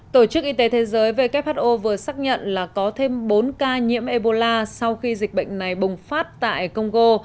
tổ chức y tế thế giới who vừa xác nhận là có thêm bốn ca nhiễm ebola sau khi dịch bệnh này bùng phát tại congo